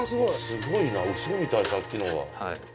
すごいなうそみたいさっきのが。